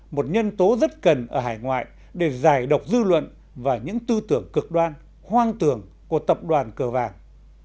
một nhân tố rất cần ở hải ngoại để giải độc dư luận và những tư tưởng cực đoan hoang tưởng của tập đoàn cờ vàng